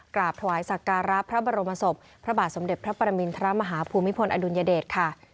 กราบถวายสักการะพระบรมศพพระบาทสมเด็จพระปรมินทรมาฮภูมิพลอดุลยเดชค่ะ